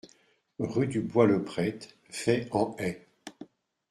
Rue du Bois le Prêtre, Fey-en-Haye